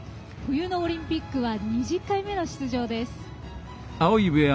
冬のオリンピックは２０回目の出場です。